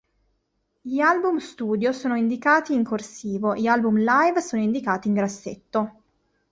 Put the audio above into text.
Gli album studio sono indicati "in corsivo", gli album live sono indicati in grassetto.